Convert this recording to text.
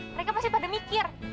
mereka pasti pada mikir